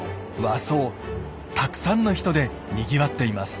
和装たくさんの人でにぎわっています。